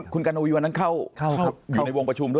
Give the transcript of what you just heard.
คุณกัณวีวันนั้นเข้าอยู่ในวงประชุมด้วย